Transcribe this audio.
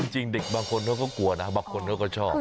จริงเด็กบางคนเขาก็กลัวนะบางคนเขาก็ชอบ